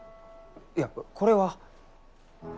いやこれは。